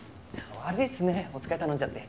悪いっすねお使い頼んじゃって。